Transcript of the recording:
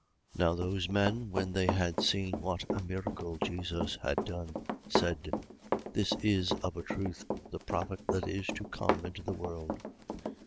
6:14. Now those men, when they had seen what a miracle Jesus had done, said: This is of a truth the prophet that is to come into the world.